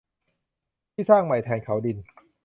ที่สร้างใหม่แทนเขาดิน